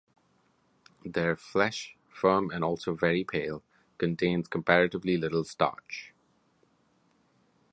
Their flesh, firm and also very pale, contains comparatively little starch.